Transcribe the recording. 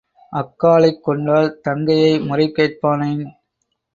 அக்காளைக் கொண்டால் தங்கையை முறை கேட்பானேன்?